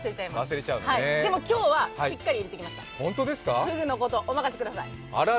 でも、今日はしっかり入れてきました、フグのこと、お任せください。